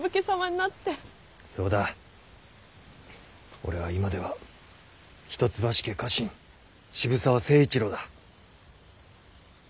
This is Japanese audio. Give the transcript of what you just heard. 俺は今では一橋家家臣渋沢成一郎だ。